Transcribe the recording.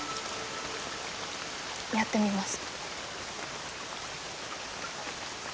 やってみます。